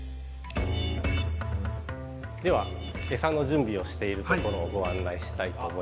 ではエサの準備をしているところをご案内したいと思います。